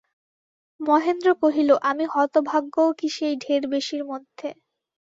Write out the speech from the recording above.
মহেন্দ্র কহিল, আমি-হতভাগ্যও কি সেই ঢের বেশির মধ্যে।